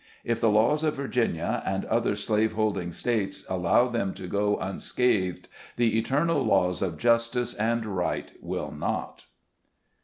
If the laws of Virginia and other slave holding states allow them to go unscathed, the eternal laws of justice and right will not.